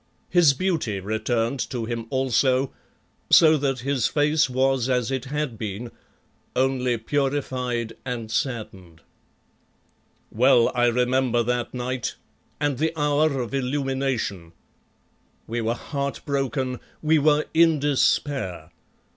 His beauty returned to him also, so that his face was as it had been, only purified and saddened. Well I remember that night and the hour of illumination. We were heart broken, we were in despair.